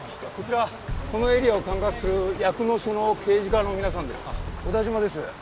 こちらこのエリアを管轄する夜久野署の刑事課の皆さんです。